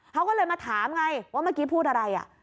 เขาก็เลยมาถามไงว่าเมื่อกี้พูดอะไร